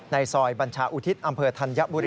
ในซอยบัญชาอุทิศอำเภอธัญบุรี